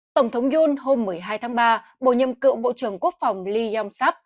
tổng thống yoon hôm một mươi hai tháng ba bổ nhiệm cựu bộ trưởng quốc phòng lee yong seop